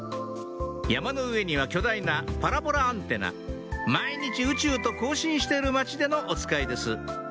山の上には巨大なパラボラアンテナ毎日宇宙と交信している町でのおつかいです